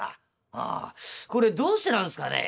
「ああこれどうしてなんすかね？」。